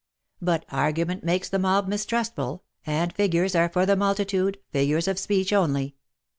But "argument makes the mob mistrustful" and figures are for the multitude figures of speech " only.